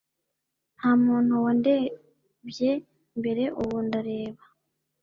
ntamuntu wandebye mbere, ubu ndareba